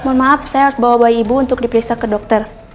mohon maaf saya harus bawa bayi ibu untuk diperiksa ke dokter